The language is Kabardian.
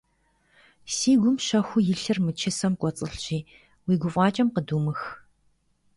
Си гум щэхуу илъыр мы чысэм кӀуэцӀылъщи, уи гуфӀакӀэ къыдумых.